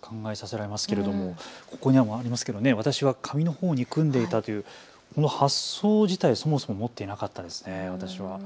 考えさせられますけれどもここにもありますが私は紙の本を憎んでいたというこの発想自体、そもそも持っていなかったです、私は。